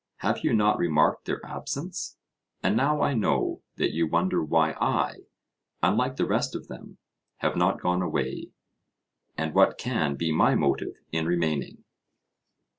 Have you not remarked their absence? And now I know that you wonder why I, unlike the rest of them, have not gone away, and what can be my motive in remaining.